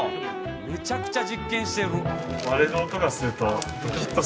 めちゃくちゃ実験してる！